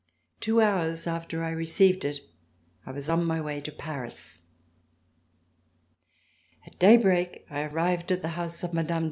Two hours after I received it, I was on my way to Paris. At daybreak, I arrived at the house of Mme.